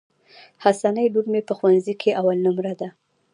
حسنی لور مي په ښوونځي کي اول نمبر ده.